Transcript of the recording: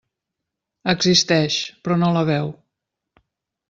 Existeix, però no la veu.